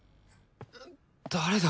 誰だ？